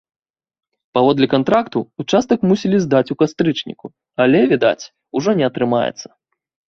Паводле кантракту ўчастак мусілі здаць у кастрычніку, але, відаць, ужо не атрымаецца.